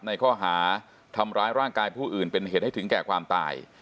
ในข้อหาทำร้ายร่างกายผู้อื่นเป็นเหตุให้ถึงแก่ความตาย